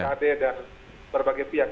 mkd dan berbagai pihak